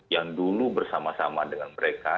yang dulu bersama sama dengan mereka